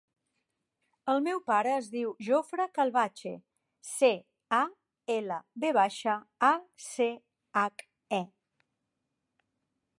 El meu pare es diu Jofre Calvache: ce, a, ela, ve baixa, a, ce, hac, e.